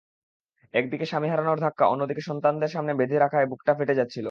একদিকে স্বামী হারানোর ধাক্কা, অন্যদিকে সন্তানদের সামনে বেঁধে রাখায় বুকটা ফেটে যাচ্ছিল।